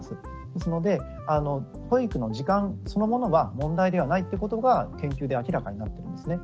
ですので保育の時間そのものが問題ではないってことが研究で明らかになってるんですね。